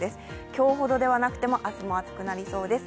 今日ほどではなくても明日も暑くなりそうです。